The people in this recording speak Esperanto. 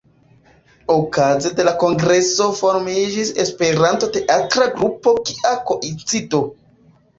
Okaze de la kongreso formiĝis Esperanto-teatra grupo "Kia koincido".